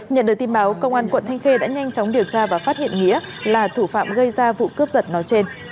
nhận được tin báo công an quận thanh khê đã nhanh chóng điều tra và phát hiện nghĩa là thủ phạm gây ra vụ cướp giật nói trên